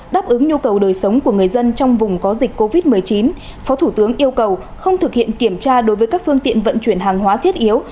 đáp ứng nhu cầu đời sống của người dân trong vùng có dịch covid một mươi chín phó thủ tướng yêu cầu không thực hiện kiểm tra đối với các phương tiện vận chuyển hàng hóa thiết yếu